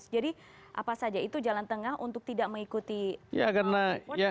jadi apa saja itu jalan tengah untuk tidak mengikuti apa apa yang anda tambahkan